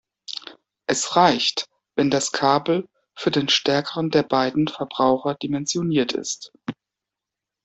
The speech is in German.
Es reicht, wenn das Kabel für den stärkeren der beiden Verbraucher dimensioniert ist.